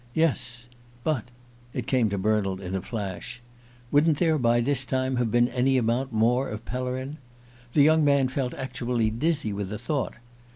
Yes; but it came to Bernald in a flash wouldn't there by this time have been any amount more of Pellerin? ... The young man felt actually dizzy with the thought.